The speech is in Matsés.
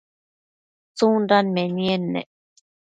tsundan menied ne?